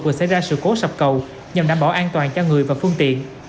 vừa xảy ra sự cố sập cầu nhằm đảm bảo an toàn cho người và phương tiện